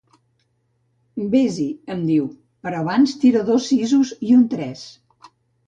Vés-hi –em diu–, però abans tira dos sisos i un tres.